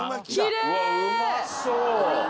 うわうまそう！